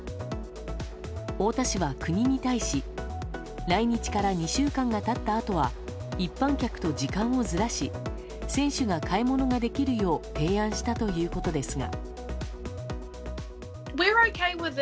太田市は国に対し来日から２週間が経ったあとは一般客と時間をずらし選手が買い物ができるよう提案したということですが。